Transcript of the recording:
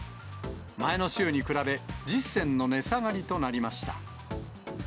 前の週に比べ、１０銭の値下がりとなりました。